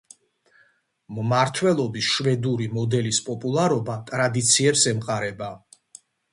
მმართველობის შვედური მოდელის პოპულარობა ტრადიციებს ემყარება.